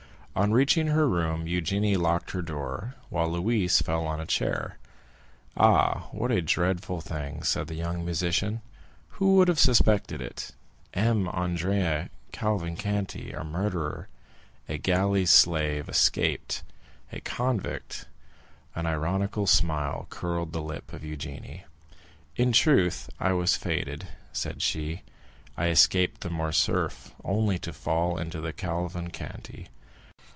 On reaching her room Eugénie locked her door, while Louise fell on a chair. "Ah, what a dreadful thing," said the young musician; "who would have suspected it? M. Andrea Cavalcanti a murderer—a galley slave escaped—a convict!" An ironical smile curled the lip of Eugénie. "In truth, I was fated," said she. "I escaped the Morcerf only to fall into the Cavalcanti."